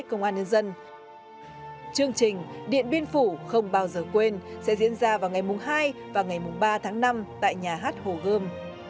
chương trình điện biên phủ không bao giờ quên sẽ diễn ra vào ngày hai và ngày ba tháng năm tại nhà hát hồ gươm